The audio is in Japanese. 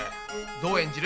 どう演じる？